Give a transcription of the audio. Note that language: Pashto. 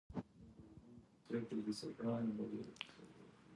موږ باید د یو بل ستونزې درک کړو